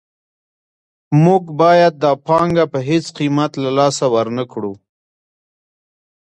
موږ باید دا پانګه په هېڅ قیمت له لاسه ورنکړو